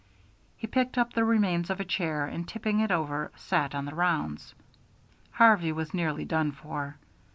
He picked up the remains of a chair and tipping it over sat on the rounds. Harvey was nearly done for.